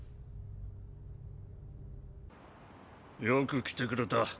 よく来てくれた。